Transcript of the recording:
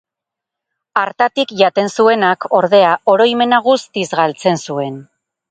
Hartatik jaten zuenak, ordea, oroimena guztiz galtzen zuen.